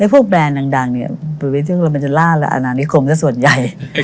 แล้วพวกแบรนด์ดังดังเนี้ยมันจะล่าอาณาณีกรมกับส่วนใหญ่